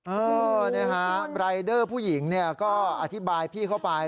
เออนะฮะรายเดอร์ผู้หญิงเนี่ยก็อธิบายพี่เข้าไป